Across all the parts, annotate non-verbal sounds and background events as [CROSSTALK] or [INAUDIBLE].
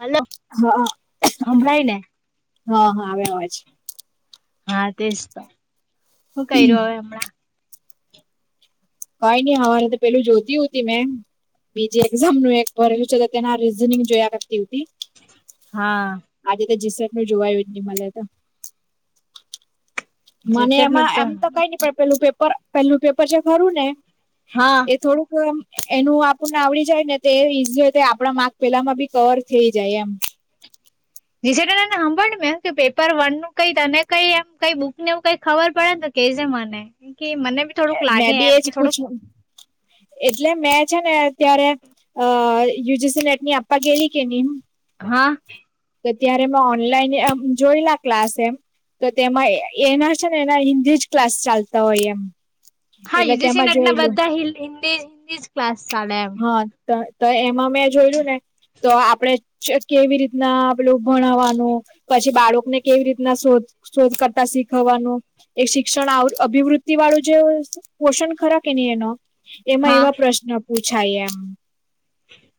Hello હા હંભળાય ને હા હા આવે આવે છે હા તેજ તો શું કર્યું હવે હમણાં કઈ નઈ હવારે તો પેલું જોતી હોતી મેં બીજી એક્ઝામ નું એક ભરેલું છે તો તેના રીઝનિંગ જોયા કર તેવ તી હા આજે તો જીસ જોવાયું જ ની મલે તો મને રિસેટ નું એમાં એમ તો કઈ ની પ પેલું પેપર પેલું પેપર જે ખરું ને હા એ થોડુંક એનું આપણને આવડી જાય ને તો ઈઝી હોય આપડા માર્ક પેલામાં બી કવર થઈ જાય એમ [UNINTELLIGIBLE] હાંભળ ની મેં હું કેમ પેપર વન નું કઈને કઈ એમ કઈ કઈ બુક નેવું કઈ ખબર પડે ન તો કે જે મને બી થોડુંક મેં લાગે બી એમ એજ કે થોડુંક પૂછ્યું એટલે મે છે ને ત્યારે અ યુ જી સી નેટની આપવા ગેલી કે ની હા તો ત્યારે મે ઓનલાઈન જોયેલા ક્લાસ એમ તો તેમાં એના છે ને એના હિન્દી જ ક્લાસ ચાલતા હોય એમ હા એટલે યુજીસી તેમાં નેટના જોયલું બધા હિન્દી હિન્દી જ ક્લાસ ચાલે એમ હા તો તો એમાં મેં જોયલુ ને તો આપણે કેવી રીત હા પેલું આપણુ ભણવવાનું, પછી બાળકને કેવી રીતના શોધ શોધ કરતા શીખવવાનું એ શિક્ષણ આ અભિવૃતિવાળું જે પોષણ ખરા કે ની એનો એમાં હા એવા પ્રશ્ન પૂછાય એમ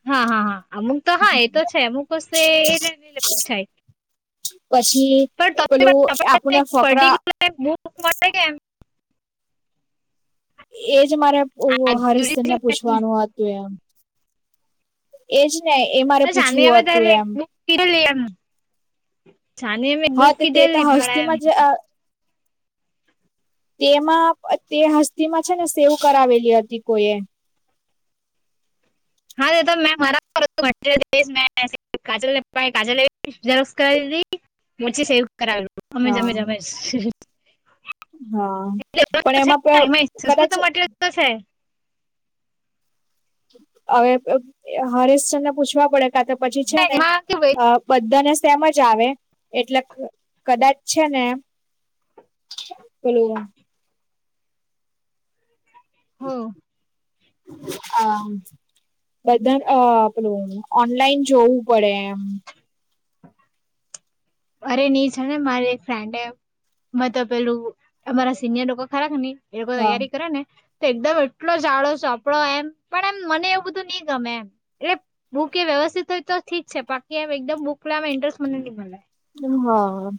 હા હા હા અમુક તો હા એ તો છે અમુક વસ્તુ એ એટલે એલે પૂછાય પછી પણ પેલું આપણે ફકરા ક માટે કેમ? એજ મારે હરીશને પૂછવાનું હતું એમ એજ ને એ મારે પૂછવું હતું એમ છાની એમે હા બુક તે તે તો કીધેલી પણ એમ હસ્તીમાં જ અ [UNINTELLIGIBLE] [INAUDIBLE] તેમાં તે હસ્તીમાં છે ને સેવ કરાવેલી હતી કોઈ એ હા એતો મે મારા [UNINTELLIGIBLE] કરાવેલું અમે જ હા [UNINTELLIGIBLE] બસ હા પણ એમાં પ સંસ્કૃત કદાચ નું મટીરિયલ તો છે હવે હરેશસર ને પૂછવા પડે કા તો પછી છે ને એમાં કે ભાઈ અ બધાને તેમજ આવે એટલે કદાચ છે ને [UNINTELLIGIBLE] હમ આમ બધા અ પેલું ઓનલાઈન જોવું પડે એમ અરે ની છે ને મારી એક ફ્રેન્ડ એમ મે તો પેલું અમારા સિનિયર લોકો ખરા કે ની એ લોકો હા તૈયારી કરે ને એકદમ એટલો જાડો ચોપડો એમ પણ એમ મને એવું બધું ની ગમે એમ એટલે હું કેવા વ્યવસ્થિત હોય તો ઠીક છે બાકી એમ એકદમ બુકલામાં ઇન્ટરેસ્ટ મને ની મળે હા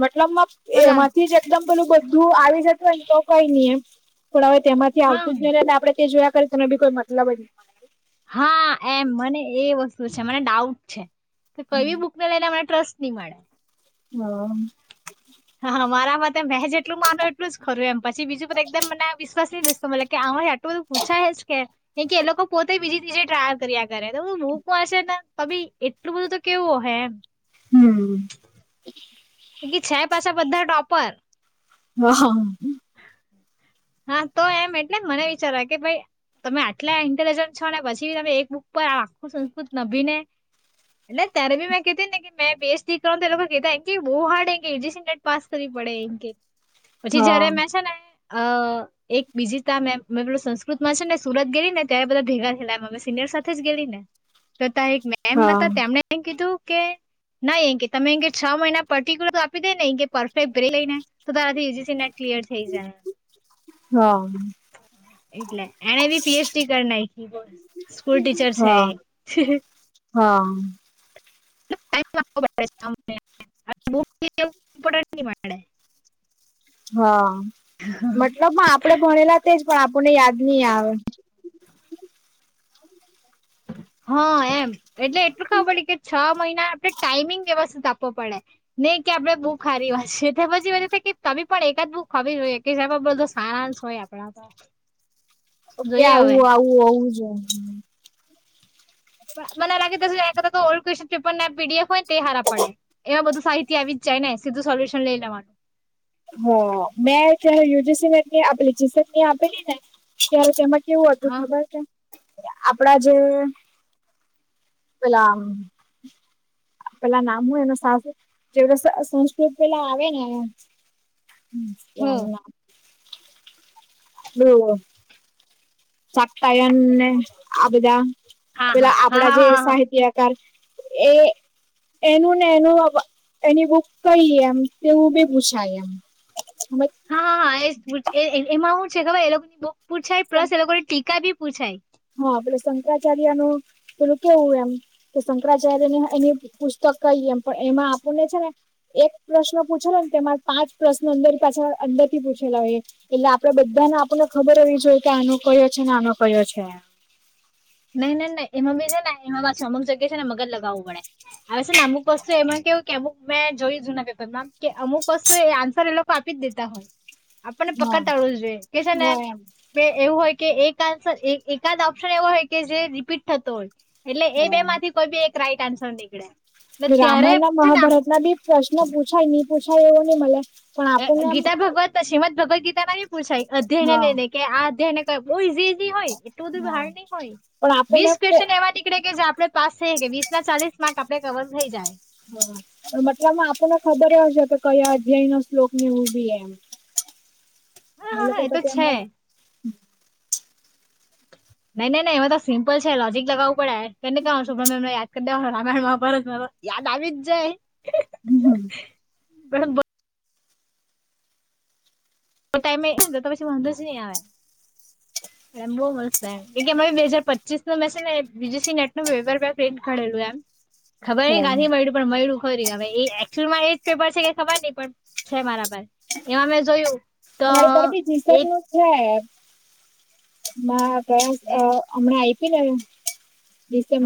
મતલબમાં બોલા એમાંથી જ એકદમ પેલું બધું આવી જતું હોને તો કઈ નઈ એમ થોડા હવે તેમાંથી હા આવતું જ નઈ એટ આપણેે તે જોયા કરી તેનો કોઈ મતલબ ન હા એમ મને એ વસ્તુ છે, મને ડાઉટ છે, કઈ બુકને લઈને મને ટ્રસ્ટની મળે હા હા મારા મતે મેં જેટલું માનો એટલું જ ખરું એમ પછી બીજું પર એકદમ મને કે આ આટલું બધું પૂછાય કે કે એ લોકો પોતે બીજી તીજે ટ્રાય કર્યા કરે તો બુકમા છે તી એટલું બધું તો કેવું હો એમ હમ્મ કી છે પાછા બધા ટોપર હ હ [UNINTELLIGIBLE] [INAUDIBLE] હા તો એમ એટલે મને વિચાર કે ભઈ તમે આટલા ઇન્ટેલિજન્ટ છો ને પછી તમે એક બુક પર આખું સંસ્કૃત નભીને એટલે ત્યારે ભી મેં કેતી ને કે મેસ કર તો એ લોકો કેતા બુ હાર્ડ પા કરી વડે એ હા [UNINTELLIGIBLE] [INAUDIBLE] અ એક બીજી તમે મે પેલું સંસ્કૃત માં છે ને સુરત ગેલી ને ત્યારે બધા ભેગા થયલા અમે સિનિયર સાથે ગેલી ને તથા એક મેમ હા હતા તેમણે એમ કીધું કે નહી એ કે તમે એ કે છ મહિના પર્ટિક્યુલર તો આપી દે ને એ કે પરફેક્રે લઈને તો તાર ક્લિયર થઈ જ હા એટલે એને બી પી. એચ. ડી કર નાકી બોલ સ્કૂલ ટીચર છે એ હમ [UNINTELLIGIBLE] હા મતલબ આપડે ભણેલા તેજ પણ આપણને યાદ નહી આવે હા એમ એટલે એટલું ખબર પડી કે છ મહિના આપણે ટાઈમિંગ વ્યવસ્થ આપવો પડે નહી કે આપણે બુક હારી વાંચીયે તે પછી આવી પણ એક આદ બુક ખવી જોઈએ કે જે બધો સારાંશ હોય આપણા ઓકે જોઈએ હવે આવું આવું આવું જો પણ મને લાગે ત કા તો ઓલ્ડ ક્વેશન પેપર ના પીડીએફ હોયને તે હારા પડે એવા બધું સાહિતી આવી જ છે જાયને સીધું સોલ્યૂશન લઈ લેવાનું [UNINTELLIGIBLE] હ મેં ત યુ. જી. સી નેટની આપેલી ગસેટની આપેલી ને ત્યારે તેમજ કેવું હતું હા ખબર છે આપડા જે પલા પેલા નામ હો એનું સાસ જે સંસ્કૃત પેલા આવે ને હ હું ના હમ સાકતાયન ને આ બધા હા પેલા હા હા આપડા હા જે હા હા હા સાહિત્યકાર એ એનું ને એનું એની બુક કઈ એમ તેવું બી પૂછાય એમ હા હા એ જ પૂ એમાં હું છે ખબર એ લોકો ની બહ પૂછાય પ્લસ એ લોકોની ટીકા બી પૂછાય હા પલો શંકરાચાર્ય નું પેલું કેવું એમ કે શંકરાચાર્ય ને એની પુસ્તક ક એમ પણ એમાં આપણને છે ને એક પ્રશ્ન પૂછેલો ને તેમાં પાંચ પ્રશ્ન અંદર પાછળ અંદરથી પૂછેલા હોયએ એટલે આપડે બધાને આપણને ખબર હોવી જોઈએ કે આનો કયો છે ને આનો કયો છે નહી ન ન એમાં બી છે ને એમાં પાછ અમુક જગ્યા છે ને મગજ લગાવવું પેડે આવે છે ને અમુક વસ્તુ એમાં કેવું કે અમુક મેં જોય છુ ના પેપર માં કે અમક કશુ એ આન્સર એ લોકો આપી જ દેતા હોય આપણને હા પકડતા આવડવું જોઈએ કે છેને હોય એમ કે એવું હોય કે એક આન્સર એ-એકાદ ઓપ્શન એવો હોય કે, જે રિપીટ થતો હોય એટલે એ હા બેમાંથી કોઈ બી એક રાઈટ આન્સર નીકળે. એટલે ત્યારે રામયણના છે ને મહાભારતના બી પ્રશ્ન પૂછાય. નહી પૂછાય એવુ નહી મલે. અ એ ગીતા ભગવત શ્રીમદ ભગવત્ ગીતાના ભી પૂછાય અધ્યાયને હા લઈને. કે આ અધ્યાયને ક બઉ ઇઝી ઇઝી હોય. એટલું બધું હા હાર્ડ નય હોય. પણ આપણને વીસ ક્વેશ્ન એવા નીકળે કે જે આપણે પાસ છે કે વીસના ચાલીસ માર્ક આપડે કવર થઈ જાય. હા મતલબ આપણને ખબર હોવું કે કયા અધ્યાયનો શ્લોક એવું ઉભી એમ. હા એ હા લોકો હા તો ત્યાં છે હમણાં નઈ નઈ નહી એમા તો સિમ્પલ છે. લોજીક લગાવુ પડે. [UNINTELLIGIBLE] એને કય છોમને યાદ કરી દે [UNINTELLIGIBLE] રામયણ મહાભારતમાં યાદ આવી જ જાય હમ હમ. [UNINTELLIGIBLE] તો ટાઈમે તો પછી વાંધો જ નહીં આવે. [UNINTELLIGIBLE] એમ બહુ મસ્ત એમ. કેમકે અમારે બે હજાર પચીસ મેં છે ને બીજીસી નેટનુ પેપર મેં પ્રિન્ટ ઘડેલું એમ. ખબર નહીં કાથી મળ્યું પણ મળ્યું. ફરી હવે અક્ટયુઅલમાં એજ પેપર છે કે ખબર નહી પણ છે મારા પાસ એ અમેં જોયું. તો મારે પર ભી જીતન એક નું છે મા અ હમણાં આય્પીને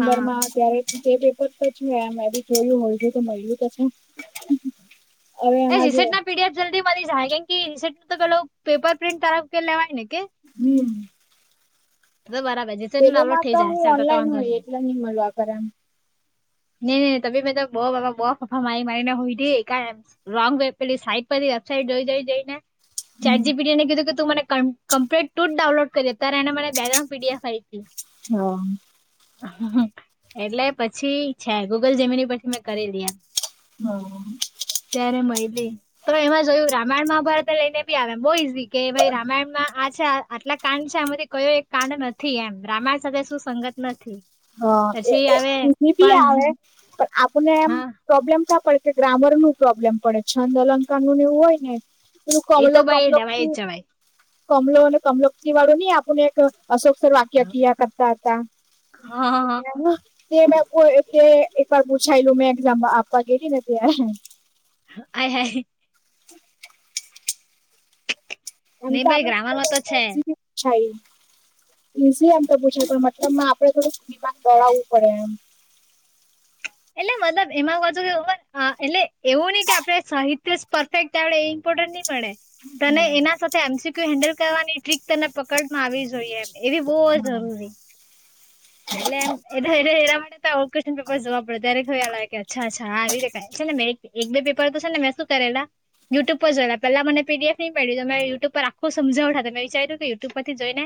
હા ત્યારે એ પેપર તો છે એમ એ બી જોયું હોય છે તો મલ્યું તો છે. હવે એ એમાં જો રીસેટ ના પીડીએફ જલ્દી મળી જાય, કેમ કે રીસેટનું તો પેલો પેપર પ્રિન્ટ તરફ લેવાય ને કે. હમ. તો બરાબર, પેલું માં તો [UNINTELLIGIBLE] હું સર્વર તો ઓનલાઈન વાંધો હોય નહી. એટલે મળવા કરે એમ નઈ નઈ તમે બધા બઉ ફાફા બાપા બઉ ફાફા મારીને મારીને હુંય ગય રોંગ વે પેલી સાઈડ પર [INAUDIBLE] વેબસાઈડ જોઈ જોઈ જોઈને. ચેટજીપીટીને કીધું કે, તું મને કમ-કમ્પ્લેટ તું જ ડાઉલોડ કરી આપ ત્યારે એને મને બેગરાઉન્ફ પીડીએફ આઈતી. હ. એટલે પછી છે. ગૂગલ જીમીની પરથી મેં કરેલી એમ. હ. ત્યારે મયલી તો એમાં જોયું રામાયણ મહાભારત લઈને બી આવે બી બો ઈઝી કે ભાઈ રામાયણમાં આ છે આટલા કાંડ છે. આમાંથી કયો એક કાંડ નથી એમ રામાયણ સાથે શું સંગત નથી. હ. એ- પછી એ આવે ની બી પણ આવે પણ આપણને એમ હા પ્રોબ્લેમ ક્યાં પડ કે ગ્રામરનું પ્રોબ્લેમ પડે. છંદ અલંકારનુંન એવું હોય ને તું એ તો કમલો ભાઈ કમલો લેવાય [UNINTELLIGIBLE] જ જવાય [UNINTELLIGIBLE] કમલો અને કમલો કિવાળો નહી આપને એક અશોકસર વાક્ય કીયા કરતા હતા. હ હ હ. તે મેં કે એક વાર પૂછાયલું મેં એક્ઝામ આપવા ગેલી ને ત્યાં. આય હાય. [INAUDIBLE] એમ નહી તો ભાઈ આપણા ગ્રામરમાં તો [UNINTELLIGIBLE] છે ઈઝી એમ તો પુછાય પણ મતલબમાં આપડે થોડુંક દિમાગ દોડાવવું પડે એમ. એટલે મતલબ એમાં હોવ છું અ [UNINTELLIGIBLE] એટલે એવું નહીં કે આપડે સાહિત્ય જ પરફેકટ ટાણે એ ઇમ્પોર્ટન્ટ નહી મળે. તને હા એના સાથે એમસીક્યુ હેન્ડલ કરવાની ટ્રીક તને પકડમાં આવી જોઈએ. એ બી બોવ જરૂરી. એટલે એમ એટલે એમ એ એના માટે તો એવું ક્યુસ્શન પેપર જવા [UNINTELLIGIBLE] લાગ અચ્છા અચ્છા આવી રીતે છે ને એક બે પેપર તો છે ને મેં શું કરેલા યુટ્યુબ પર જોયલા. પેલાં મને પીડીએફ નહીં મળી તો મેં યુટ્યુબ પર આખું સમજાવતા તો મે વિચાર્યું કે યુટ્યુબ પરથી જોઈને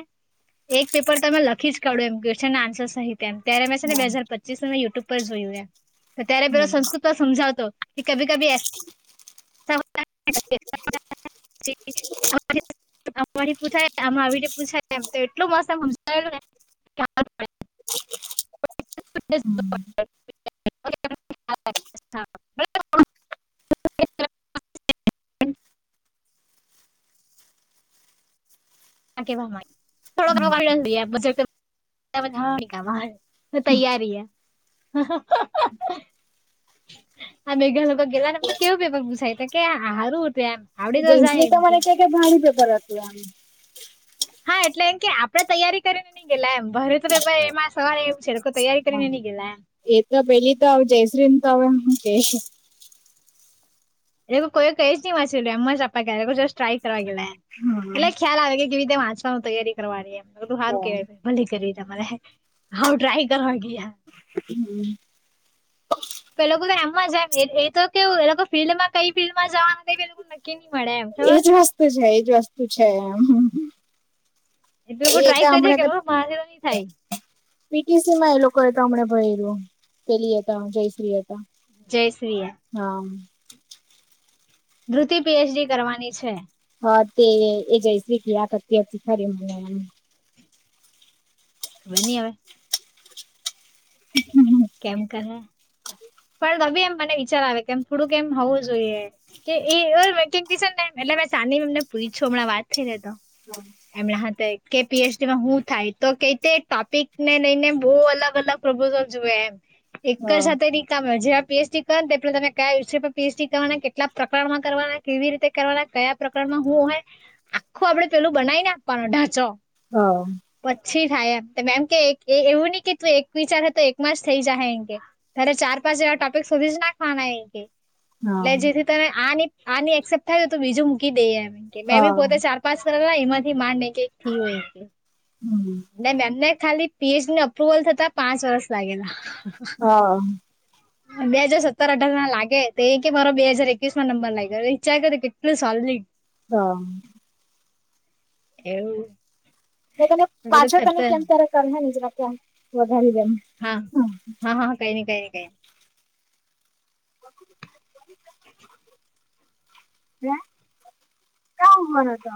એક પેપર તમે લખી જ કાઢો એમ કે છે કેસનસઆન્સર સહિત કેમ કે મેં છે ને હા બે હજાર પચીસ માં યુટ્યુબ પર જોયું તો ત્યારે હમ પેલો સંસ્કૃત માં સમજાવતો કે કભી કભી એસા આથી પૂછાય આમાં આવી રીતે પૂછાય એમ તો એટલું મસ્ત સમજાવેલને ક્યા હમ [INAUDIBLE] [UNINTELLIGIBLE] આ કહેવા માગે થોડો થોડો હમ હમ તૈયારી હ આ મેઘા લોકો ગેલા ને એમ તો કેવું પેપર પુસાય ત કે હારું હતું એમ આવડી તો દેશ જાય એમ કે તમારે ક્યાં ક ભારે પેપર લખવાનું હા એટલે એમ કે આપડે તૈયારી કરીને નઈ ગેલા એમ ભર તો પેપર એમાં સવારે એમ છે તૈયારી કરીને હા નઈ ગયેલા એમ એ તો પેલી તો જયસ્રીને તો હવે કે એટ લોકો કોઈ કઈ ન વાચલું એમમાં ચપ સ્ટ્રાઈ કરવા ગે એટલે ખ્યાલ આવે કે કેવી રીતે વાંચવાની તૈયારી કરવાની એમ બધું હારુ કેહેવાય ભલે કરી હ ટ્રાય કર હ કે હમ પે લોકો તો એમમાં જ એ તો કેવું એ લોકો ફિલ્ડમાં કઈ ફિલ્ડમાં જવાનું તે કઈક્કી એજ વસ્તુ છે એજ વસ્તુ છે એમ લોકો એ તો ટ્રાય કરીએ હમણાં કે તો મારાથી તો નહી થાય પીટીસી માં એ લોકો તમણે ભયલું પેલી એ તોજયશ્રી હતા જય શ્રીયા હા ધુતિ પીએચડી કરવાની છે. હા તે એ જયશ્રી કે આ કર ખરી મને એ વે નઇ હવે હમ્મ કેમ કર એમ મને વિચાર આવે કેમ થોડુંક એમ હોવું જોઈએ કે એટલે મે ચા એમને પૂછો હમણાં વાત થઈ તો હા એમના હાથે કે પીએચડીમાં શું થાય તો ક તે ટોપિક ને લઈને બહુ અલગ અલગ પ્રપોઝલ જુએ એમ, એક જ હા સાથે કામ જેવા પીએચડી કર ને પેલા તમે કયા વિષય પર પીએચડી કરવાના, કેટલા પ્રકરણમાં કરવાના, કેવી રીતે કરવાના કયા પ્રકારમાં હું હોય આખું આપડે પેલું બનાવીને આપવાનો ઢાંચો હા પછી થાય એમ કે એવું નહી કે તું એક વિચારે તો એકમાં જ થઈ જ એરે ચાર પાછા ટોપિક સુોધી જ નાખવાના કે હા એટલે જેથી તમે આ આ ની એક્સેપ્ટ થાય તો બીજું મૂકી દઈએ એમ કે મેં બી હા પોતે ચાર પાંચ એમાંથી માંડ એક એક થયું હોય હમ અને એમને ખાલી પીએચડી અપ્રુવલ થતા પાંચ વર્ષ લાગેલા હા બે હાજર સત્તર અઢાર ના લાગે તો એ કે મારો બે હજાર એકવીસ માં નંબર લાગ્યો વિચાર કરો કેટલું સાલ હા એવું મે તને બધું પાછા તને ખતર કેમ ત્યારે કર જરા કે ગ ગ હા [UNINTELLIGIBLE] [INAUDIBLE] [UNINTELLIGIBLE] [INAUDIBLE] બે ક્યા ઉભો રો હતો